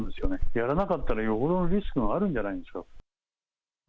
やらなかったら、よほどのリスクがあるんじゃないですか。